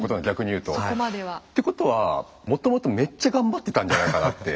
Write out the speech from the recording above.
うんそこまでは。ってことはもともとめっちゃ頑張ってたんじゃないかなって。